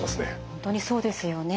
本当にそうですよね。